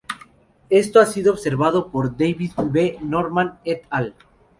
Esto ha sido observado por David B. Norman "et al.